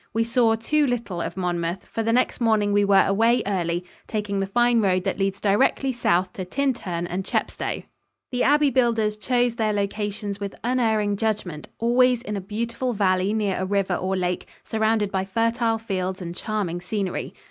We saw too little of Monmouth, for the next morning we were away early, taking the fine road that leads directly south to Tintern and Chepstow. The abbey builders chose their locations with unerring judgment, always in a beautiful valley near a river or lake, surrounded by fertile fields and charming scenery.